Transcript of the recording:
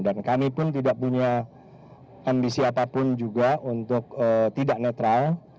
dan kami pun tidak punya ambisi apapun juga untuk tidak netral